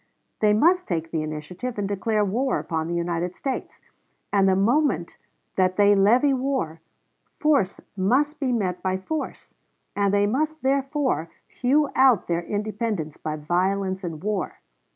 They must take the initiative and declare war upon the United States; and the moment that they levy war, force must be met by force; and they must, therefore, hew out their independence by violence and war.